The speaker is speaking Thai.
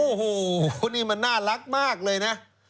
โอ้โหนี่มันน่ารักมากเลยนะ